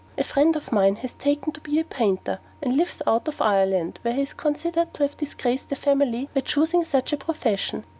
A friend of mine has taken to be a painter, and lives out of Ireland, where he is considered to have disgraced the family by choosing such a profession.